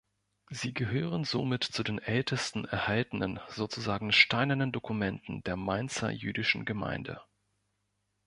Sie gehören somit zu den ältesten erhaltenen, sozusagen steinernen Dokumenten der Mainzer jüdischen Gemeinde.